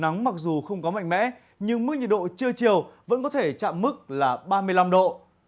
nắng mặc dù không có mạnh mẽ nhưng mức nhiệt độ trưa chiều vẫn có thể chạm mức là ba mươi năm độ